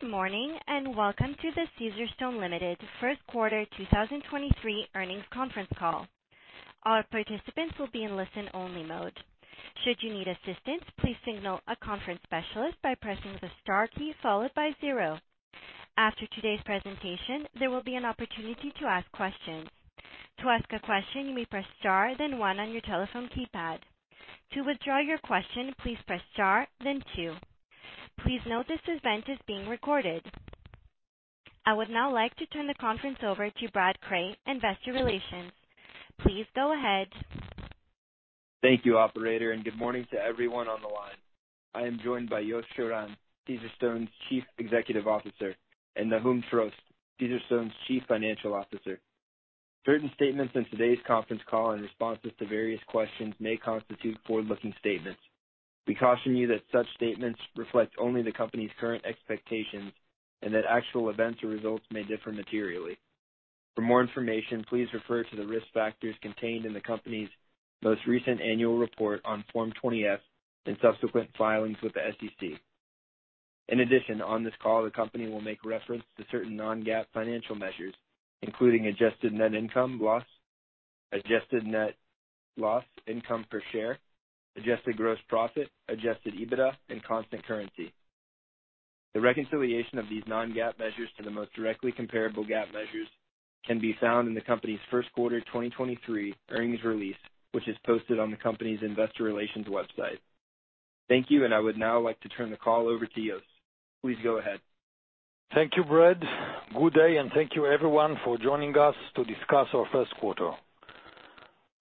Good morning, welcome to the Caesarstone Ltd. First Quarter 2023 earnings conference call. All participants will be in listen-only mode. Should you need assistance, please signal a conference specialist by pressing the star key followed by zero. After today's presentation, there will be an opportunity to ask questions. To ask a question, you may press star then one on your telephone keypad. To withdraw your question, please press star then two. Please note this event is being recorded. I would now like to turn the conference over to Brad Cray, Investor Relations. Please go ahead. Thank you, operator. Good morning to everyone on the line. I am joined by Yos Shiran, Caesarstone's Chief Executive Officer, and Nahum Trost, Caesarstone's Chief Financial Officer. Certain statements in today's conference call and responses to various questions may constitute forward-looking statements. We caution you that such statements reflect only the company's current expectations and that actual events or results may differ materially. For more information, please refer to the risk factors contained in the company's most recent annual report on Form 20-F and subsequent filings with the SEC. In addition, on this call, the company will make reference to certain non-GAAP financial measures, including adjusted net income loss, adjusted net income loss per share, adjusted gross profit, adjusted EBITDA and constant currency. The reconciliation of these non-GAAP measures to the most directly comparable GAAP measures can be found in the company's first quarter 2023 earnings release, which is posted on the company's investor relations website. Thank you, I would now like to turn the call over to Yos. Please go ahead. Thank you, Brad. Good day, and thank you everyone for joining us to discuss our first quarter.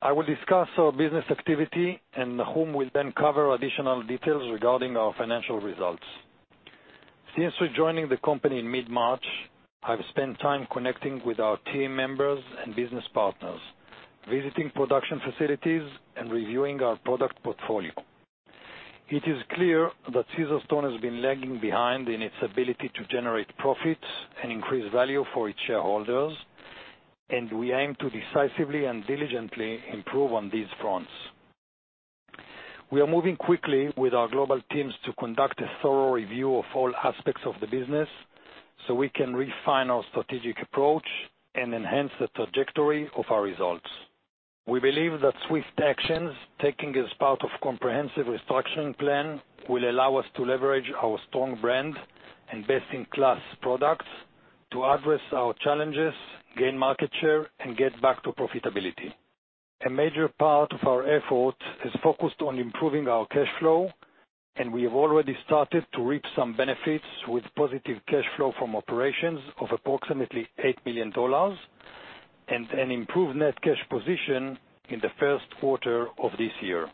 I will discuss our business activity. Nahum will then cover additional details regarding our financial results. Since rejoining the company in mid-March, I've spent time connecting with our team members and business partners, visiting production facilities and reviewing our product portfolio. It is clear that Caesarstone has been lagging behind in its ability to generate profits and increase value for its shareholders. We aim to decisively and diligently improve on these fronts. We are moving quickly with our global teams to conduct a thorough review of all aspects of the business so we can refine our strategic approach and enhance the trajectory of our results. We believe that swift actions taken as part of comprehensive restructuring plan will allow us to leverage our strong brand and best-in-class products to address our challenges, gain market share, and get back to profitability. A major part of our effort is focused on improving our cash flow. We have already started to reap some benefits with positive cash flow from operations of approximately $8 million and an improved net cash position in the first quarter of this year.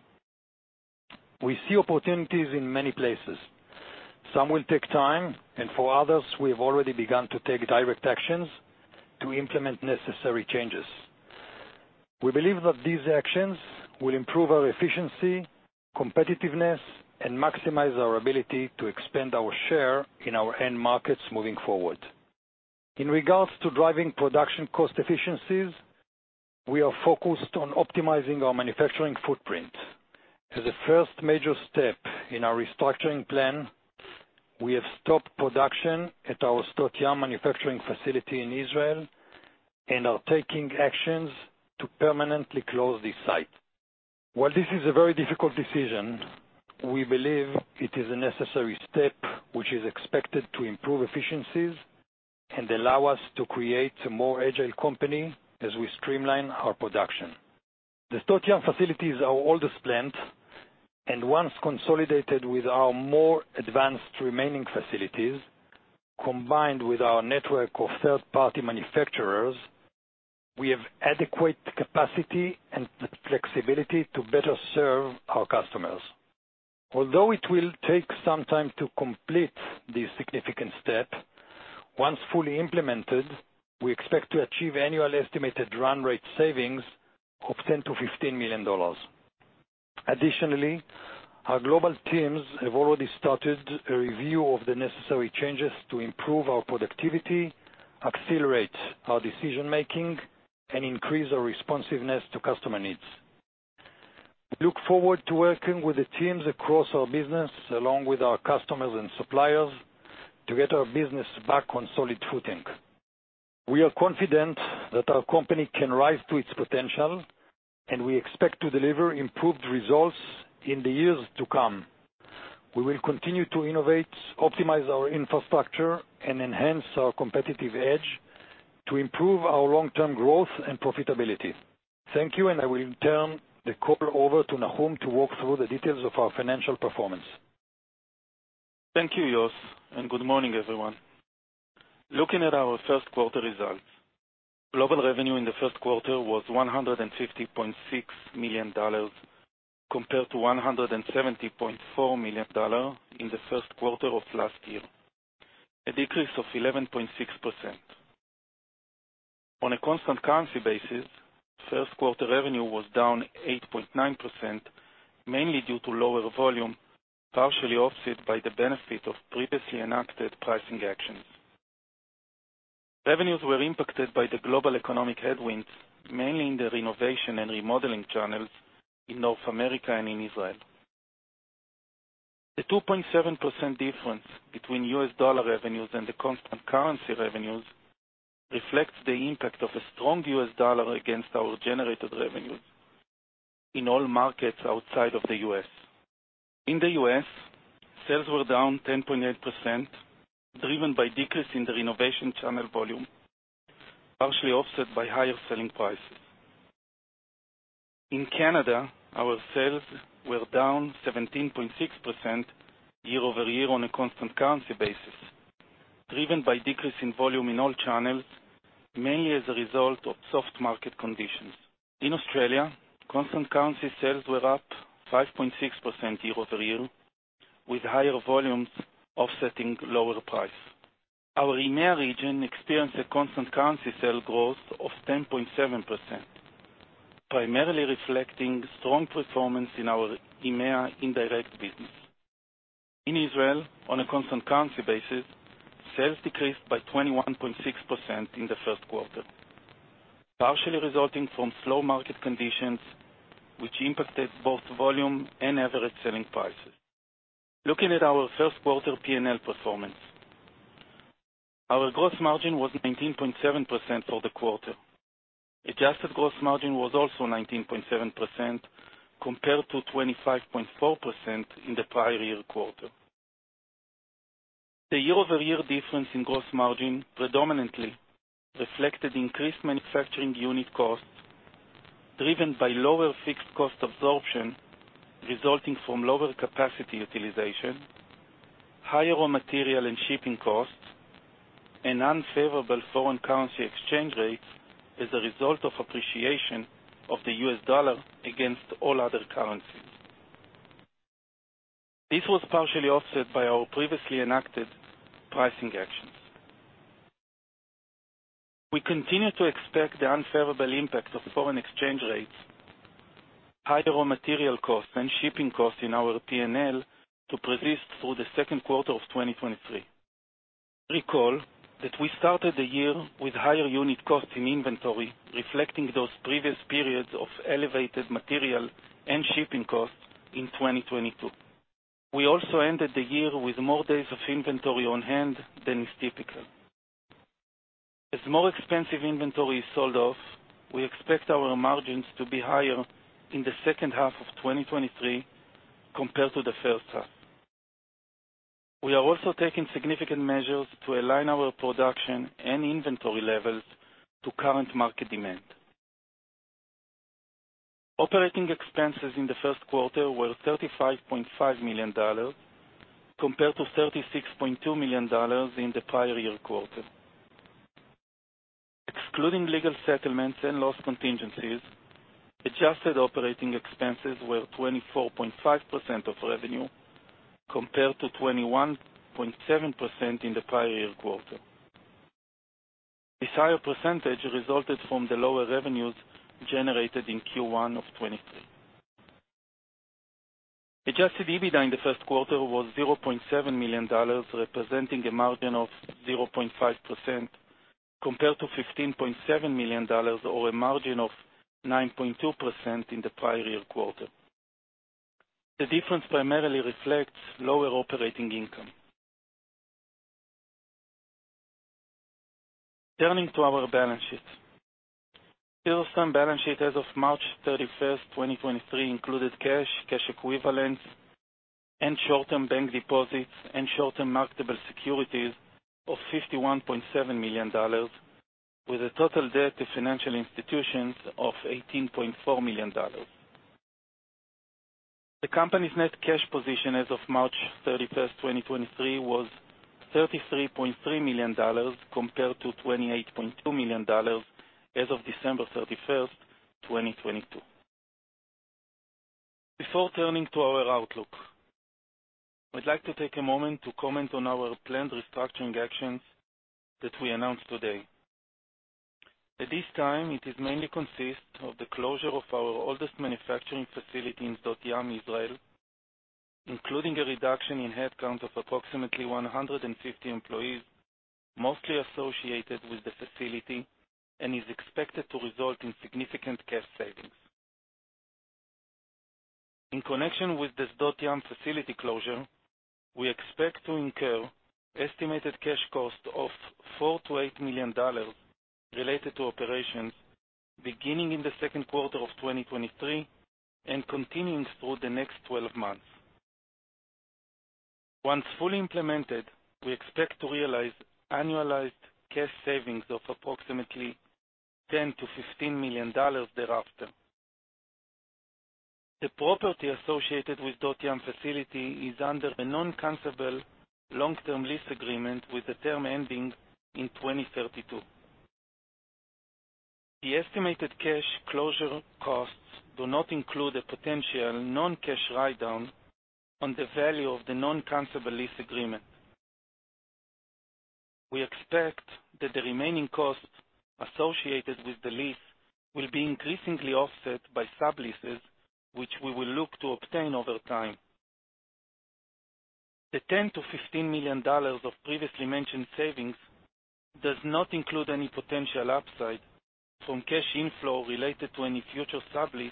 We see opportunities in many places. Some will take time. For others, we have already begun to take direct actions to implement necessary changes. We believe that these actions will improve our efficiency, competitiveness, and maximize our ability to expand our share in our end markets moving forward. In regards to driving production cost efficiencies, we are focused on optimizing our manufacturing footprint. As a first major step in our restructuring plan, we have stopped production at our Sdot Yam manufacturing facility in Israel and are taking actions to permanently close this site. While this is a very difficult decision, we believe it is a necessary step, which is expected to improve efficiencies and allow us to create a more agile company as we streamline our production. The Sdot Yam facility is our oldest plant, and once consolidated with our more advanced remaining facilities, combined with our network of third-party manufacturers, we have adequate capacity and the flexibility to better serve our customers. Although it will take some time to complete this significant step, once fully implemented, we expect to achieve annual estimated run rate savings of $10 million-$15 million. Additionally, our global teams have already started a review of the necessary changes to improve our productivity, accelerate our decision-making, and increase our responsiveness to customer needs. We look forward to working with the teams across our business, along with our customers and suppliers, to get our business back on solid footing. We are confident that our company can rise to its potential, and we expect to deliver improved results in the years to come. We will continue to innovate, optimize our infrastructure, and enhance our competitive edge to improve our long-term growth and profitability. Thank you, and I will turn the call over to Nahum to walk through the details of our financial performance. Thank you, Yos. Good morning, everyone. Looking at our first quarter results, global revenue in the first quarter was $150.6 million compared to $170.4 million in the first quarter of last year, a decrease of 11.6%. On a constant currency basis, first quarter revenue was down 8.9%, mainly due to lower volume, partially offset by the benefit of previously enacted pricing actions. Revenues were impacted by the global economic headwinds, mainly in the renovation and remodeling channels in North America and in Israel. The 2.7% difference between US dollar revenues and the constant currency revenues reflects the impact of a strong US dollar against our generated revenues in all markets outside of the U.S. In the U.S., sales were down 10.8%, driven by decrease in the renovation channel volume, partially offset by higher selling prices. In Canada, our sales were down 17.6% year-over-year on a constant currency basis, driven by decrease in volume in all channels, mainly as a result of soft market conditions. In Australia, constant currency sales were up 5.6% year-over-year, with higher volumes offsetting lower price. Our EMEA region experienced a constant currency sales growth of 10.7%, primarily reflecting strong performance in our EMEA indirect business. In Israel, on a constant currency basis, sales decreased by 21.6% in the first quarter, partially resulting from slow market conditions, which impacted both volume and average selling prices. Looking at our first quarter P&L performance. Our gross margin was 19.7% for the quarter. Adjusted gross margin was also 19.7% compared to 25.4% in the prior year quarter. The year-over-year difference in gross margin predominantly reflected increased manufacturing unit costs, driven by lower fixed cost absorption resulting from lower capacity utilization, higher raw material and shipping costs, and unfavorable foreign currency exchange rates as a result of appreciation of the US dollar against all other currencies. This was partially offset by our previously enacted pricing actions. We continue to expect the unfavorable impact of foreign exchange rates, higher raw material costs, and shipping costs in our PNL to persist through the second quarter of 2023. Recall that we started the year with higher unit costs in inventory, reflecting those previous periods of elevated material and shipping costs in 2022. We also ended the year with more days of inventory on hand than is typical. As more expensive inventory is sold off, we expect our margins to be higher in the second half of 2023 compared to the first half. We are also taking significant measures to align our production and inventory levels to current market demand. Operating expenses in the first quarter were $35.5 million, compared to $36.2 million in the prior year quarter. Excluding legal settlements and loss contingencies, adjusted operating expenses were 24.5% of revenue, compared to 21.7% in the prior year quarter. This higher percentage resulted from the lower revenues generated in Q1 of 23. Adjusted EBITDA in the first quarter was $0.7 million, representing a margin of 0.5%, compared to $15.7 million or a margin of 9.2% in the prior year quarter. The difference primarily reflects lower operating income. Turning to our balance sheet. Caesarstone's balance sheet as of March 31, 2023, included cash equivalents, and short-term bank deposits, and short-term marketable securities of $51.7 million, with a total debt to financial institutions of $18.4 million. The company's net cash position as of March 31, 2023, was $33.3 million, compared to $28.2 million as of December 31, 2022. Before turning to our outlook, I'd like to take a moment to comment on our planned restructuring actions that we announced today. At this time, it is mainly consist of the closure of our oldest manufacturing facility in Sdot Yam, Israel, including a reduction in headcount of approximately 150 employees, mostly associated with the facility, and is expected to result in significant cost savings. In connection with the Sdot Yam facility closure, we expect to incur estimated cash costs of $4 million-$8 million related to operations beginning in the second quarter of 2023 and continuing through the next 12 months. Once fully implemented, we expect to realize annualized cash savings of approximately $10 million-$15 million thereafter. The property associated with Sdot Yam facility is under a non-cancelable long-term lease agreement with the term ending in 2032. The estimated cash closure costs do not include a potential non-cash write-down on the value of the non-cancelable lease agreement. We expect that the remaining costs associated with the lease will be increasingly offset by subleases, which we will look to obtain over time. The $10 million-$15 million of previously mentioned savings does not include any potential upside from cash inflow related to any future sublease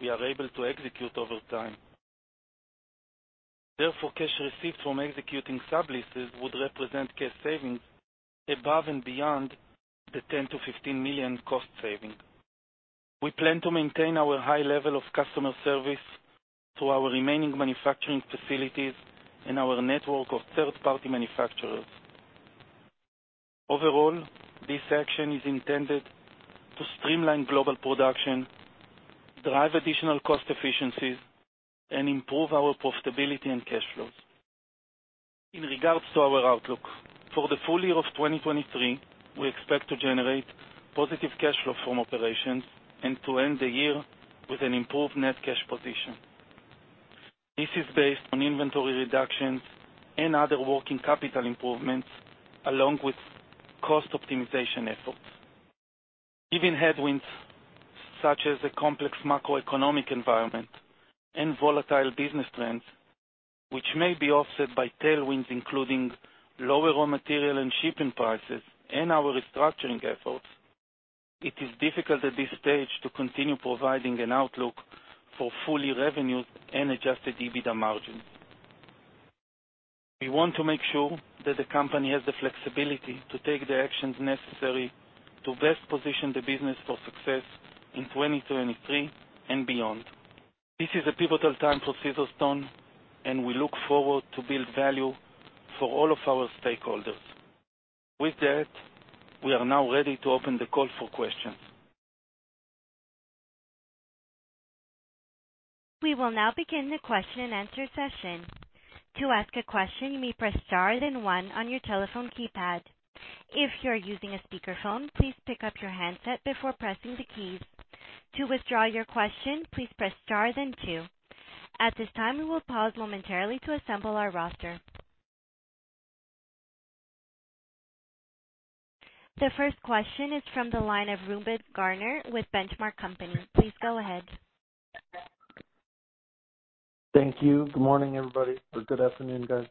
we are able to execute over time. Therefore, cash received from executing subleases would represent cash savings above and beyond the $10 million-$15 million cost saving. We plan to maintain our high level of customer service through our remaining manufacturing facilities and our network of third-party manufacturers. Overall, this action is intended to streamline global production, drive additional cost efficiencies, and improve our profitability and cash flows. In regards to our outlook. For the full year of 2023, we expect to generate positive cash flow from operations and to end the year with an improved net cash position. This is based on inventory reductions and other working capital improvements, along with cost optimization efforts. Given headwinds such as a complex macroeconomic environment and volatile business trends, which may be offset by tailwinds, including lower raw material and shipping prices and our restructuring efforts, it is difficult at this stage to continue providing an outlook for full-year revenues and adjusted EBITDA margins. We want to make sure that the company has the flexibility to take the actions necessary to best position the business for success in 2023 and beyond. This is a pivotal time for Caesarstone, and we look forward to build value for all of our stakeholders. With that, we are now ready to open the call for questions. We will now begin the question-and-answer session. To ask a question, you may press star then one on your telephone keypad. If you are using a speakerphone, please pick up your handset before pressing the keys. To withdraw your question, please press star then two. At this time, we will pause momentarily to assemble our roster. The first question is from the line of Reuben Garner with The Benchmark Company. Please go ahead. Thank you. Good morning, everybody, or good afternoon, guys.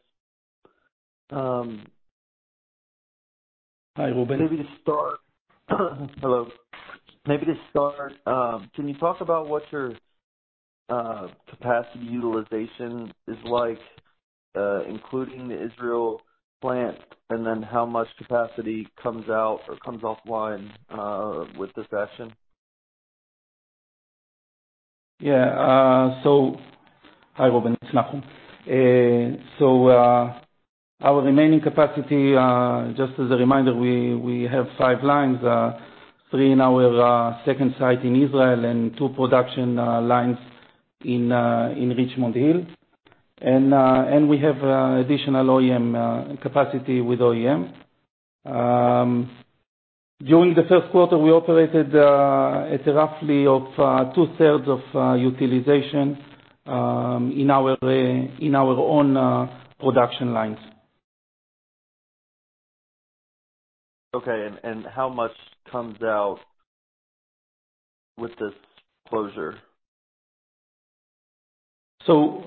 Hi, Reuben. Maybe to start. Hello. Maybe to start, can you talk about what your capacity utilization is like, including the Israel plant, and then how much capacity comes out or comes offline with this action? Hi, Reuben. It's Nahum. Our remaining capacity, just as a reminder, we have five lines, three in our second site in Israel and two production lines in Richmond Hill. We have additional OEM capacity with OEM. During the first quarter, we operated at roughly of two-thirds of utilization in our own production lines. Okay, how much comes out with this closure? Once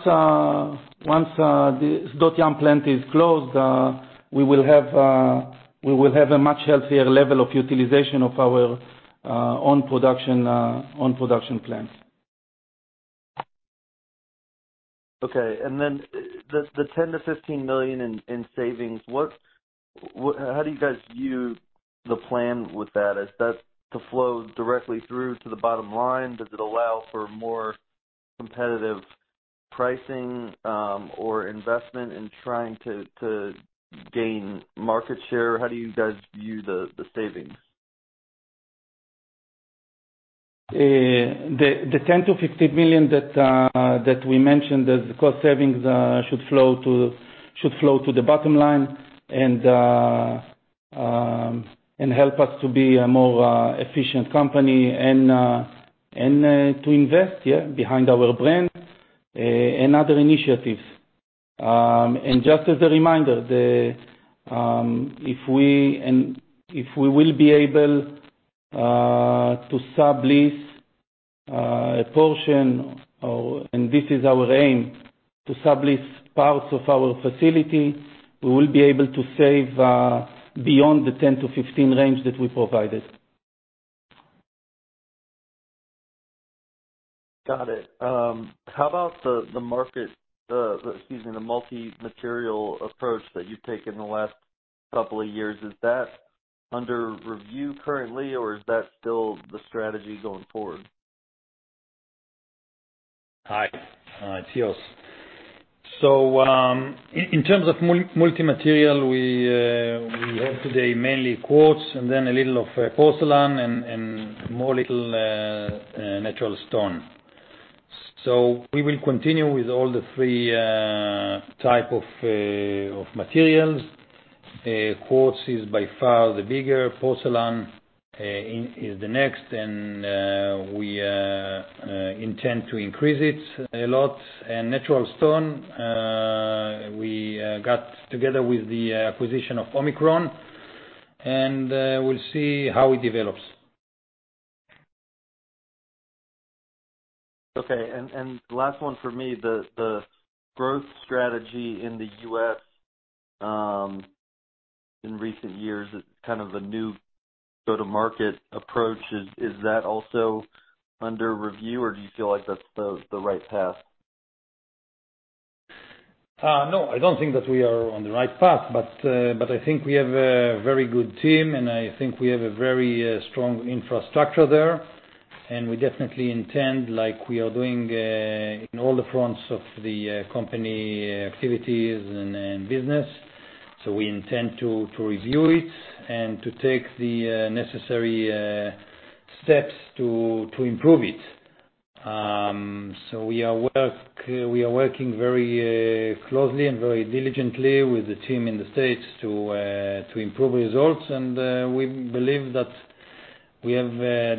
the Sdot Yam plant is closed, we will have a much healthier level of utilization of our own production plants. Okay. The $10 million-$15 million in savings, how do you guys view the plan with that? Is that to flow directly through to the bottom line? Does it allow for more competitive pricing, or investment in trying to gain market share? How do you guys view the savings? The $10 million-$15 million that we mentioned as cost savings should flow to the bottom line and help us to be a more efficient company and to invest, yeah, behind our brands and other initiatives. Just as a reminder, the if we, and if we will be able to sublease a portion or, and this is our aim, to sublease parts of our facility, we will be able to save beyond the $10 million-$15 million range that we provided. Got it. How about the market, excuse me, the multi-material approach that you've taken the last couple of years, is that under review currently, or is that still the strategy going forward? Hi. It's Yos. In terms of multi-material, we have today mainly quartz and then a little of porcelain and more little natural stone. We will continue with all the three type of materials. Quartz is by far the bigger. Porcelain is the next, we intend to increase it a lot. Natural stone we got together with the acquisition of Omicron, we'll see how it develops. Okay. last one for me. The growth strategy in the U.S. in recent years is kind of a new go-to-market approach. Is that also under review or do you feel like that's the right path? No, I don't think that we are on the right path. I think we have a very good team, and I think we have a very strong infrastructure there. We definitely intend, like we are doing, in all the fronts of the company activities and business. We intend to review it and to take the necessary steps to improve it. We are working very closely and very diligently with the team in the States to improve results. We believe that we have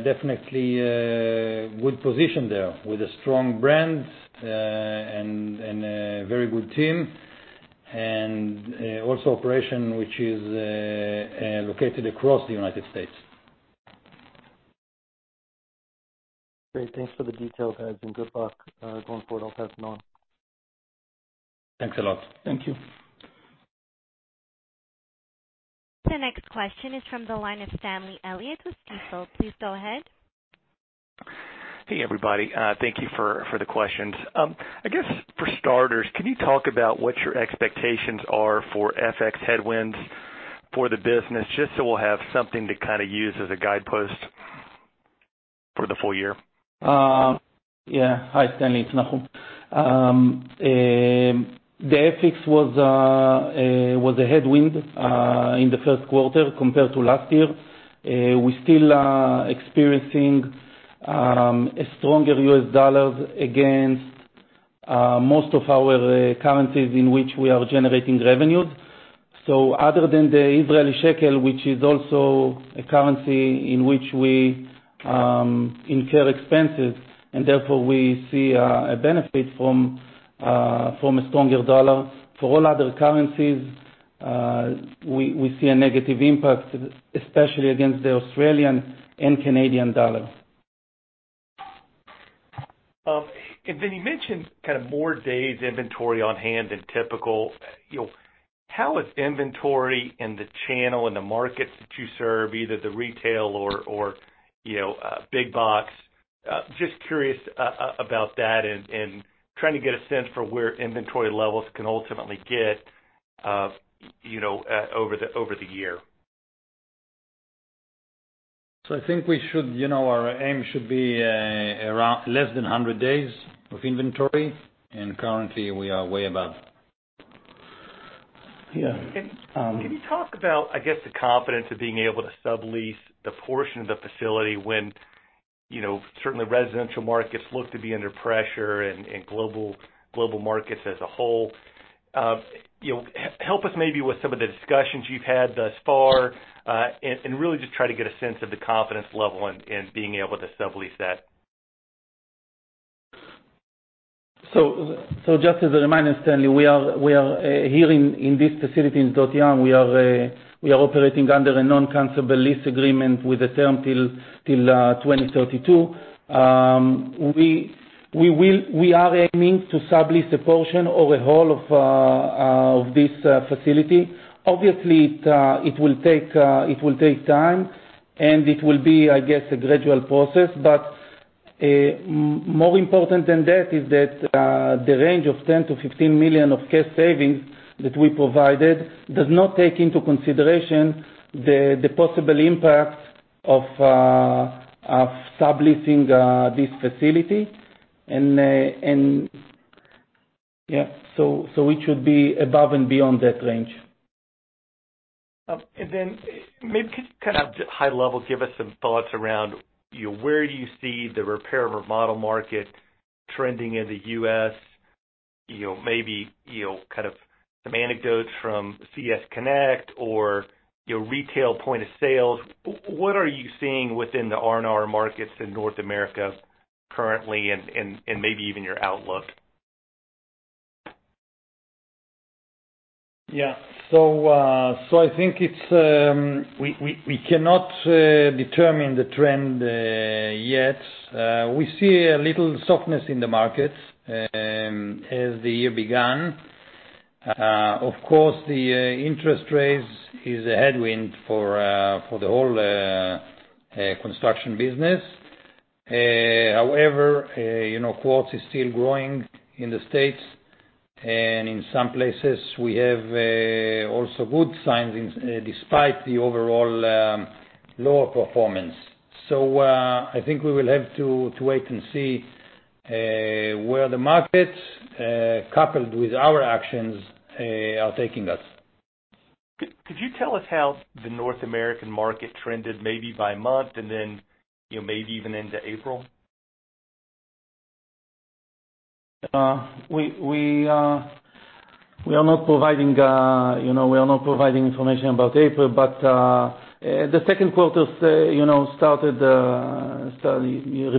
definitely a good position there with a strong brand and a very good team and also operation, which is located across the United States. Great. Thanks for the detail, guys, and good luck going forward. I'll pass it on. Thanks a lot. Thank you. The next question is from the line of Stanley Elliott with Stifel. Please go ahead. Hey, everybody. Thank you for the questions. I guess for starters, can you talk about what your expectations are for FX headwinds for the business, just so we'll have something to kind of use as a guidepost for the full year? Yeah. Hi, Stanley, it's Nahum. The FX was a headwind in the first quarter compared to last year. We still are experiencing a stronger US dollar against most of our currencies in which we are generating revenue. Other than the Israeli shekel, which is also a currency in which we incur expenses, and therefore we see a benefit from a stronger dollar. For all other currencies, we see a negative impact, especially against the Australian and Canadian dollar. You mentioned kind of more days inventory on hand than typical. You know, how is inventory in the channel and the markets that you serve, either the retail or, you know, big box? Just curious about that and trying to get a sense for where inventory levels can ultimately get over the, over the year. I think we should our aim should be around less than 100 days of inventory, and currently we are way above. Yeah. Can you talk about, I guess, the confidence of being able to sublease the portion of the facility when, you know, certainly residential markets look to be under pressure and global markets as a whole help us maybe with some of the discussions you've had thus far, and really just try to get a sense of the confidence level in being able to sublease that? Just as a reminder, Stanley, we are here in this facility in Sdot Yam, we are operating under a non-cancelable lease agreement with the term till 2032. We are aiming to sublease a portion or a whole of this facility. Obviously, it will take time, and it will be, I guess, a gradual process. More important than that is that the range of $10 million-$15 million of cost savings that we provided does not take into consideration the possible impact of subleasing this facility. Yeah. It should be above and beyond that range. maybe kind of high level, give us some thoughts around, you know, where do you see the repair or remodel market trending in the U.S.? Maybe kind of some anecdotes from CS Connect or retail point of sale. What are you seeing within the R&R markets in North America currently and maybe even your outlook? I think it's, we cannot determine the trend yet. We see a little softness in the markets as the year began. Of course, the interest rates is a headwind for the whole construction business. However, quartz is still growing in the States, and in some places we have also good signings despite the overall lower performance. I think we will have to wait and see where the markets coupled with our actions are taking us. Could you tell us how the North American market trended maybe by month and then maybe even into April? We are not providing, you know, we are not providing information about April. The second quarter, you know, started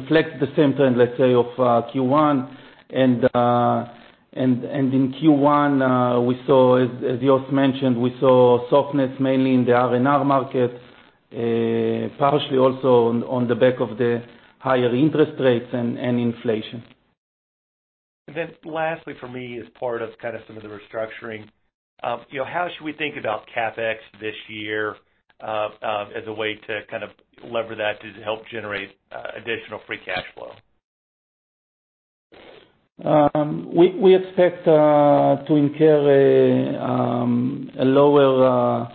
reflect the same trend, let's say, of Q1. In Q1, we saw, as Yos mentioned, we saw softness mainly in the R&R markets, partially also on the back of the higher interest rates and inflation. Lastly for me, as part of kind of some of the restructuring, you know, how should we think about CapEx this year, as a way to kind of lever that to help generate additional free cash flow? We expect to incur a lower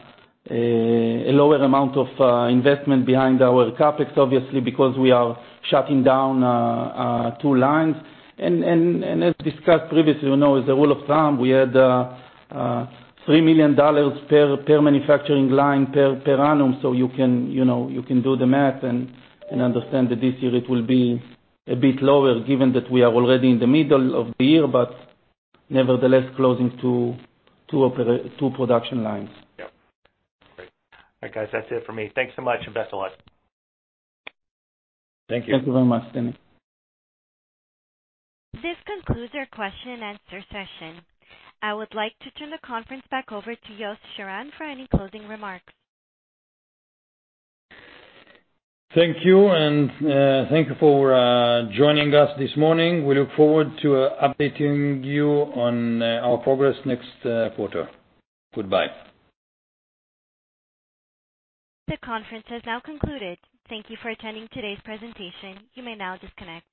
amount of investment behind our CapEx, obviously, because we are shutting down two lines. As discussed previously as a rule of thumb, we had $3 million per manufacturing line per annum. You can do the math and understand that this year it will be a bit lower given that we are already in the middle of the year, but nevertheless closing two production lines. Yep. Great. All right, guys, that's it for me. Thanks so much, and best of luck. Thank you. Thank you very much, Stanley. This concludes our question and answer session. I would like to turn the conference back over to Yos Shiran for any closing remarks. Thank you, and thank you for joining us this morning. We look forward to updating you on our progress next quarter. Goodbye. The conference has now concluded. Thank you for attending today's presentation. You may now disconnect.